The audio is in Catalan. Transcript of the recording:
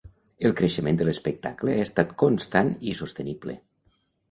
El creixement de l'espectacle ha estat constant i sostenible.